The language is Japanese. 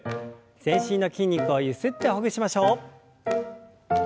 全身の筋肉をゆすってほぐしましょう。